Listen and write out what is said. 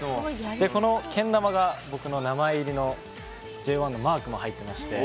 このけん玉が僕の名前入りのＪＯ１のマークも入ってまして。